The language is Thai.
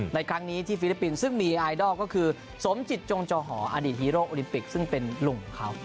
ในครั้งนี้ที่ฟิลิปปินส์ซึ่งมีไอดอลก็คือสมจิตจงจอหออดีตฮีโร่โอลิมปิกซึ่งเป็นลุงของเขา